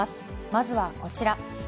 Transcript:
まずはこちら。